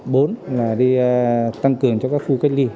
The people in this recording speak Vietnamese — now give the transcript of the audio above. bốn là tăng cường cho các khu cách ly